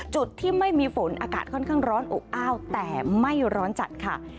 จุดที่ไม่มีฝนอากาศค่อนข้างร้อนอบอ้าวแต่ไม่ร้อนจัดค่ะ